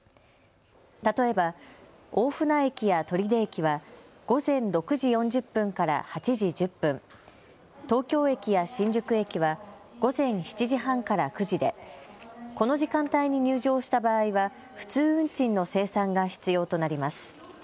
例えば、大船駅や取手駅は午前６時４０分から８時１０分、東京駅や新宿駅は午前７時半から９時でこの時間帯に入場した場合は普通運賃の精算が必要となります。